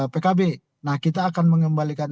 pkb nah kita akan mengembalikan